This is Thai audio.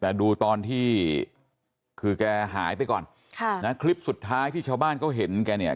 แต่ดูตอนที่คือแกหายไปก่อนค่ะนะคลิปสุดท้ายที่ชาวบ้านเขาเห็นแกเนี่ย